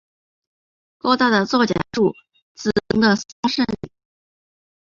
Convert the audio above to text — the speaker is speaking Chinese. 高大的皂荚树，紫红的桑葚